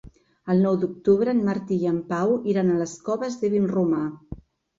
El nou d'octubre en Martí i en Pau iran a les Coves de Vinromà.